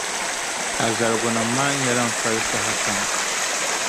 A zaligunim’ maa nyɛla n fali sahakam.